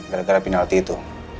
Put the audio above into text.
gara gara penalti itu